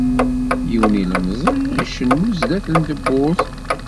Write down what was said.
Yiwen ilemẓi icennu sdat n tewwurt.